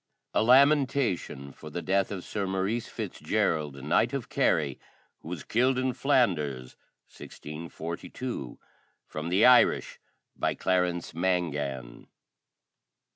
] A LAMENTATION For the Death of Sir Maurice Fitzgerald, Knight, of Kerry, who was killed in Flanders, 1642. FROM THE IRISH, BY CLARENCE MANGAN.